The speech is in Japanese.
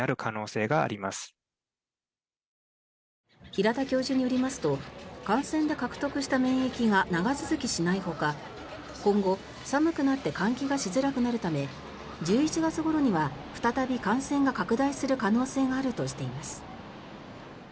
平田教授によりますと感染で獲得した免疫が長続きしないことや今後、寒くなって換気がしづらくなるため１１月ごろには再び感染が拡大する可能性があるとしています。